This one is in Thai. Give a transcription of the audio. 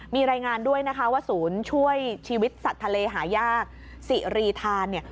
มีรายงานด้วยว่าศูนย์ช่วยชีวิตสัตว์ทะเลหายากสิรีธารรณ